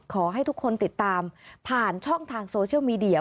ขอให้ทุกคนติดตามผ่านช่องทางโซเชียลมีเดีย